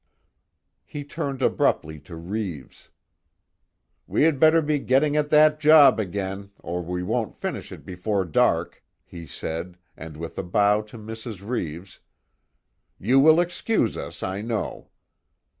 '" He turned abruptly to Reeves, "We had better be getting at that job again, or we won't finish it before dark," he said, and with a bow to Mrs. Reeves, "You will excuse us, I know."